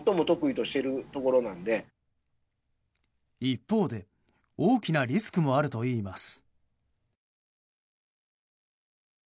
一方で、大きなリスクもあるといいます。